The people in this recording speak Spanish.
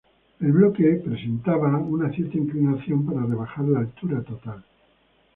El bloque presentaba una cierta inclinación para rebajar la altura total.